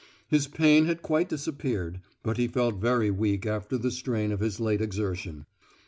His pain had quite disappeared, but he felt very weak after the strain of his late exertion.